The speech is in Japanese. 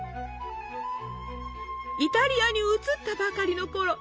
イタリアに移ったばかりのころ